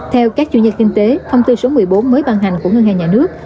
theo các chuyên gia kinh tế thông tư số một mươi bốn mới ban hành của ngân hàng nhà nước